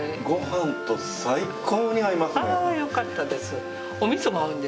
あよかったです。